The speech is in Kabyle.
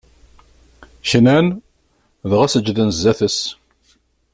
Knan, dɣa seǧǧden zdat-s.